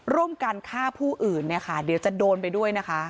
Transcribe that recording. ร่วมกันฆ่าผู้อื่นเนี่ยค่ะเดี๋ยวจะโดนไปด้วยนะคะ